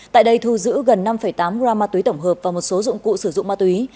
tại đây thu giữ gần năm tám gram ma túy tổng hợp và một số dụng cụ sử dụng ma túy